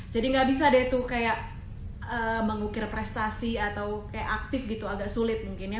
jadi gak bisa deh tuh kayak mengukir prestasi atau kayak aktif gitu agak sulit mungkin ya